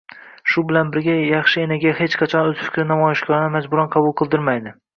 Shu bilan birga yaxshi enaga hech qachon o‘z fikrini namoyishkorona majburan qabul qildirmaydi